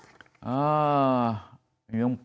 น่ากลัวมาก